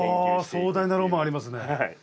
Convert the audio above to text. あ壮大なロマンありますね。